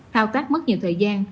thao tác mất nhiều thời gian